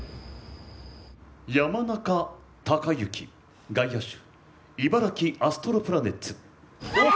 山中尭之外野手茨城アストロプラネッツおっ！